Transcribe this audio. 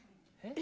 え？